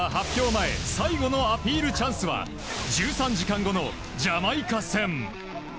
前最後のアピールチャンスは１３時間後のジャマイカ戦。